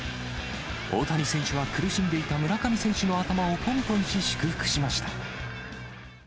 大谷選手は苦しんでいた村上選手の頭をぽんぽんし、祝福しました。